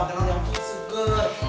makanan yang kusuger